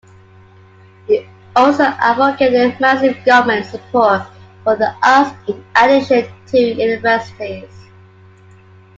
He also advocated massive government support for the arts, in addition to universities.